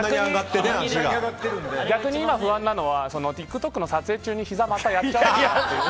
逆に今、不安なのはＴｉｋＴｏｋの撮影中にひざをまたやっちゃうという。